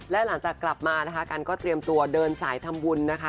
และหลังจากกลับมานะคะกันก็เตรียมตัวเดินสายทำบุญนะคะ